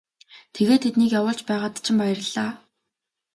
Тэгээд тэднийг явуулж байгаад чинь баярлалаа.